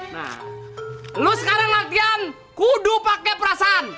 nah lo sekarang latihan kudu pakai perasaan